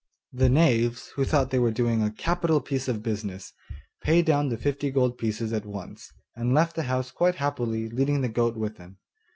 The knaves, who thought they were doing a capital piece of business, paid down the fifty gold pieces at once, and left the house quite happily, leading the goat with them.